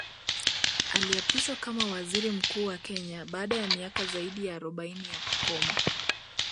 Aliapishwa kama Waziri Mkuu wa Kenya baada ya miaka zaidi ya arobaini ya kukoma